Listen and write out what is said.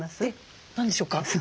えっ何でしょうか？